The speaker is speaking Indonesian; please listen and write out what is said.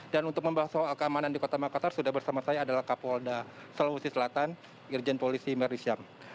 dan untuk membahas soal keamanan di kota makassar sudah bersama saya adalah kapol da salawusi selatan irjen polisi merisiam